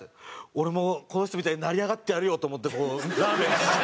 俺もこの人みたいに成り上がってやるよと思ってこうラーメン。